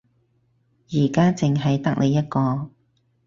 而家淨係得你一個